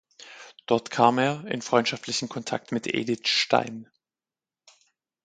Dort kam er in freundschaftlichen Kontakt mit Edith Stein.